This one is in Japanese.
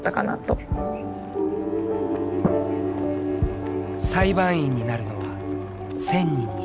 裁判員になるのは１０００人に１人。